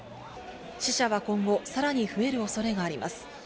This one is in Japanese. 死者は今後、さらに増える恐れがあります。